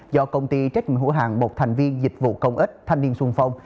do công ty trách nhiệm hữu hàng một thành viên dịch vụ công ích thanh niên sung phong